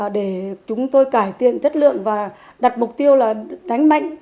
để chúng tôi cải thiện chất lượng và đặt mục tiêu là đánh mạnh